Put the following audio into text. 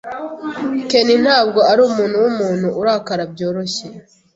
Ken ntabwo arumuntu wumuntu urakara byoroshye.